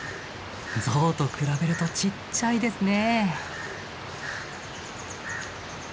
象と比べるとちっちゃいですね。